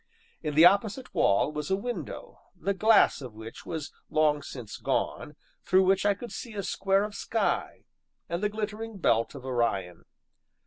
In the opposite wall was a window, the glass of which was long since gone, through which I could see a square of sky, and the glittering belt of Orion.